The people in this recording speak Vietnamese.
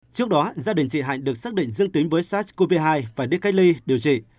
trước đó gia đình chị hạnh được xác định dương tính với sars cov hai phải đi cách ly điều trị